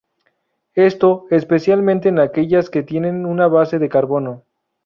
Esto, especialmente en aquellas que tienen una base de carbono.